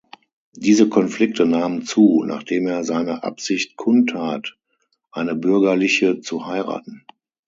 Diese Konflikte nahmen zu, nachdem er seine Absicht kundtat, eine Bürgerliche zu heiraten.